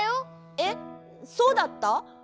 えっそうだった？